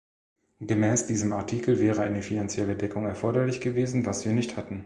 Gemäß diesem Artikel wäre eine finanzielle Deckung erforderlich gewesen, was wir nicht hatten.